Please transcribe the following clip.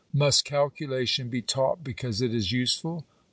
Must calcu lation be taught because it is useful?